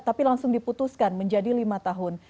tapi langsung diputuskan menjadi lima tahun